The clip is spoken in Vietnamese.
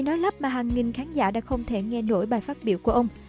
nói lắp mà hàng nghìn khán giả đã không thể nghe nổi bài phát biểu của ông